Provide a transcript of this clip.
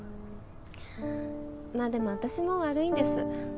まあでも私も悪いんです。